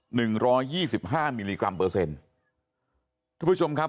หนึ่งร้อยยี่สิบห้ามิลลิกรัมเปอร์เซ็นต์ทุกผู้ชมครับ